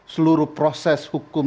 seluruh proses hukum